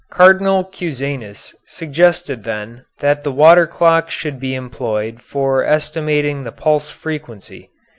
Cardinal Cusanus suggested then that the water clock should be employed for estimating the pulse frequency.